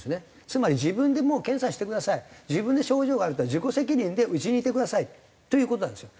つまり自分でもう検査してください自分で症状がある人は自己責任でうちにいてくださいという事なんですよ。